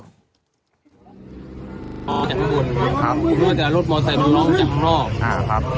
อ๋อครับ